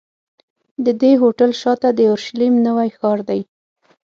د دې هوټل شاته د یورشلېم نوی ښار دی.